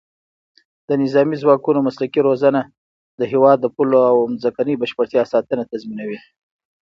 د نظامي ځواکونو مسلکي روزنه د هېواد د پولو او ځمکنۍ بشپړتیا ساتنه تضمینوي.